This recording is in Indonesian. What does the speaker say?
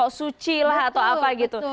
atau suci lah atau apa gitu